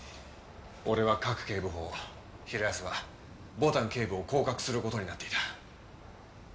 俺は賀来警部補を平安は牡丹警部を行確する事になっていた。